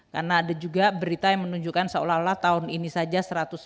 karena ada juga berita yang menunjukkan seolah olah tahun ini saja satu ratus sembilan puluh tiga